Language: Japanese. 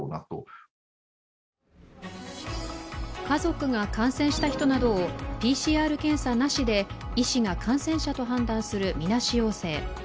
家族が感染した人などをＰＣＲ検査なしで医師が感染者と判断するみなし陽性。